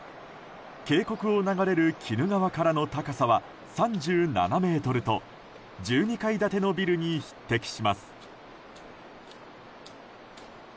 渓谷を流れる鬼怒川からの高さは３７ｍと１２階建てのビルに匹敵します。